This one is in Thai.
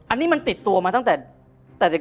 อันนี้มันติดตัวมาตั้งแต่เด็ก